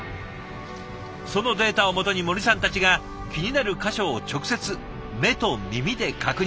そのデータを基に森さんたちが気になる箇所を直接目と耳で確認。